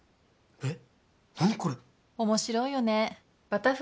えっ？